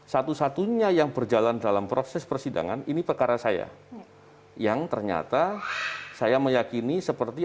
satu satunya yang berjalan dalam proses persidangan ini perkara saya yang ternyata saya meyakini seperti